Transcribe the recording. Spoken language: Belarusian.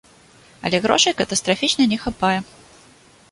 Але грошай катастрафічна не хапае.